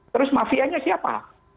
terus mafianya siapa